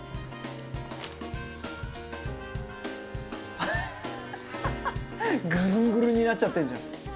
ハハハぐるんぐるんになっちゃってんじゃん。